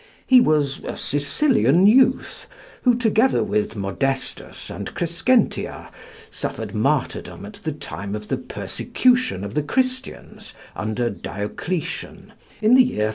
He was a Sicilian youth, who, together with Modestus and Crescentia, suffered martyrdom at the time of the persecution of the Christians, under Diocletian, in the year 303.